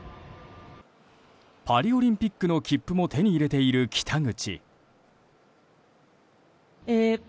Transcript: パリオリンピックの切符も手に入れている北口。